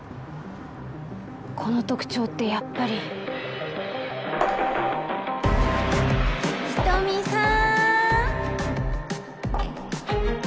この特徴ってやっぱり人見さーん